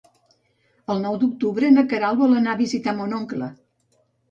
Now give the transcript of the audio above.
El nou d'octubre na Queralt vol anar a visitar mon oncle.